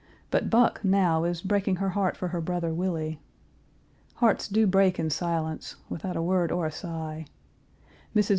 But Buck, now, is breaking her heart for her brother Willie. Hearts do break in silence, without a word or a sigh. Mrs.